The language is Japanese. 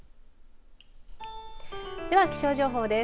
では気象情報です。